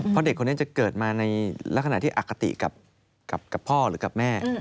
เพราะเด็กคนนี้จะเกิดมาในลักษณะที่อคติกับพ่อหรือกับแม่